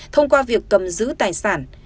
thông qua việc cầm giữ tài sản